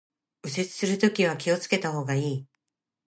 右折するときは気を付けた方がいい